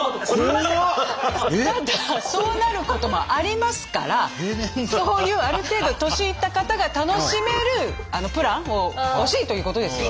ただそうなることもありますからそういうある程度年いった方が楽しめるプランを欲しいということですよ。